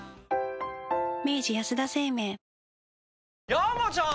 山ちゃん！